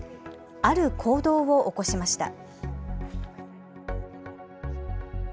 ある行動を起こしました。